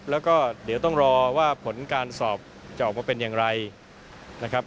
แล้วก็เดี๋ยวต้องรอว่าผลการสอบจะออกมาเป็นอย่างไรนะครับ